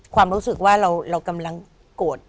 ความรู้สึกว่าเรากำลังโกรธ